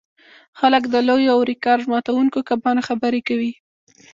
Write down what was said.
خلک د لویو او ریکارډ ماتوونکو کبانو خبرې کوي